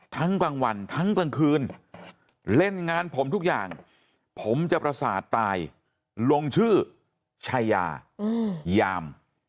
กลางวันทั้งกลางคืนเล่นงานผมทุกอย่างผมจะประสาทตายลงชื่อชายายาม